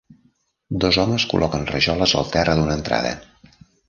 Dos homes col·loquen rajoles al terra d'una entrada.